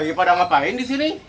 ya pada ngapain di sini